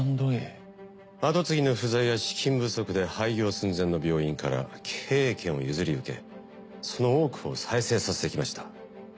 後継ぎの不在や資金不足で廃業寸前の病院から経営権を譲り受けその多くのを再生させてきました。